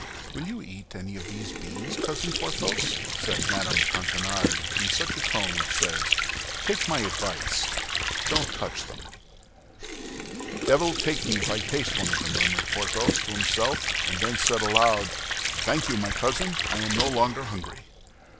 "Will you eat any of these beans, Cousin Porthos?" said Mme. Coquenard, in that tone which says, "Take my advice, don't touch them." "Devil take me if I taste one of them!" murmured Porthos to himself, and then said aloud, "Thank you, my cousin, I am no longer hungry."